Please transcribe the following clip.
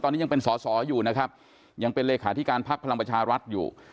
ตอนนี้ยังเป็นสอสออยู่นะครับยังเป็นเลขาธิการพักพลังประชารัฐอยู่